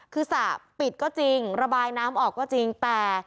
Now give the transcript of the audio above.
คือสระปิดก็จริงระบายน้ำออกก็จริงแต่